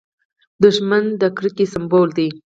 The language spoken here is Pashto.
دښمن د کرکې سمبول دی